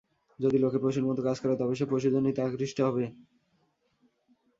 যদি লোকে পশুর মত কাজ করে, তবে সে পশুযোনিতে আকৃষ্ট হবে।